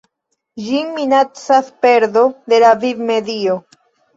Ĝin minacas perdo de la vivmedio.